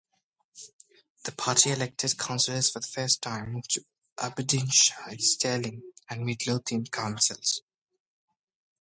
The party elected councillors for the first time to Aberdeenshire, Stirling and Midlothian Councils.